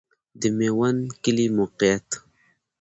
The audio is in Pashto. د میوند کلی موقعیت